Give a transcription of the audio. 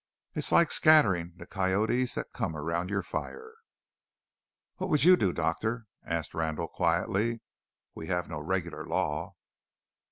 It's like scattering the coyotes that come around your fire." "What would you do, Doctor?" asked Randall quietly; "we have no regular law."